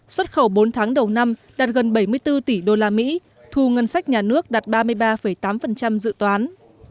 xuất khẩu bốn tháng đầu năm đạt gần bảy mươi bốn tỷ usd thu ngân sách nhà nước đạt ba mươi ba tám dự toán